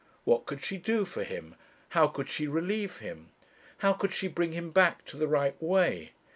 What could she do for him? how could she relieve him? how could she bring him back to the right way?